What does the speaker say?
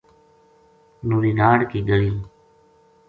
نوری ناڑ کی گلی